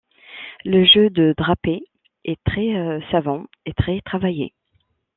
Le jeu de drapé est très savant et très travaillé.